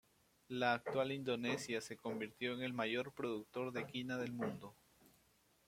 La actual Indonesia se convirtió en el mayor productor de quina del mundo.